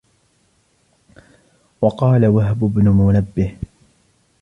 وَقَالَ وَهْبُ بْنُ مُنَبِّهٍ